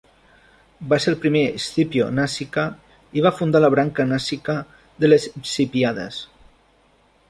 Va ser el primer Scipio Nasica i va fundar la branca Nasica de les Scipiades.